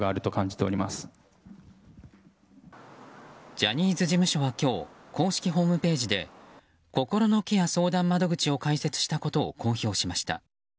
ジャニーズ事務所は今日公式ホームページで心のケア相談窓口を開設したことを公表しました。